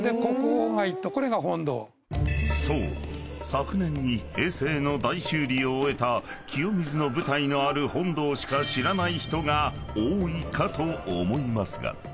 昨年に平成の大修理を終えた清水の舞台のある本堂しか知らない人が多いかと思いますが］